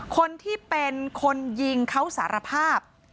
คนที่เป็นคนยิงเขาสารภาพ